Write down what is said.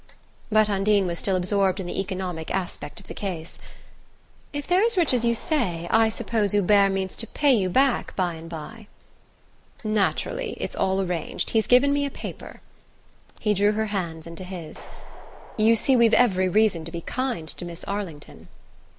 But Undine was still absorbed in the economic aspect of the case. "If they're as rich as you say, I suppose Hubert means to pay you back by and bye?" "Naturally. It's all arranged. He's given me a paper." He drew her hands into his. "You see we've every reason to be kind to Miss Arlington."